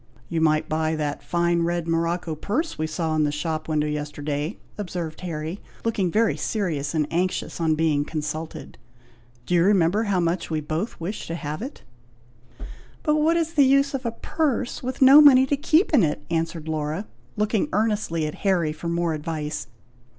"You might buy that fine red morocco purse we saw in the shop window yesterday," observed Harry, looking very serious and anxious, on being consulted. "Do you remember how much we both wished to have it?" "But what is the use of a purse, with no money to keep in it!" answered Laura, looking earnestly at Harry for more advice.